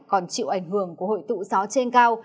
còn chịu ảnh hưởng của hội tụ gió trên cao